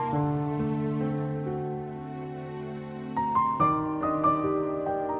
mau balik kant